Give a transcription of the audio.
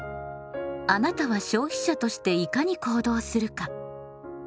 「あなたは消費者としていかに行動するか？」。